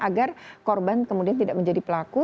agar korban kemudian tidak menjadi pelaku